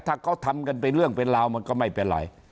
ถ้าเขาทำกันเป็นเรื่องเป็นราวมันก็ไม่เป็นไร